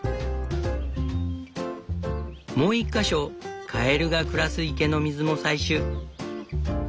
もう１か所カエルが暮らす池の水も採取。